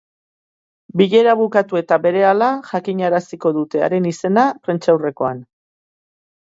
Bilera bukatu eta berehala jakinaraziko dute haren izena, prentsaurrekoan.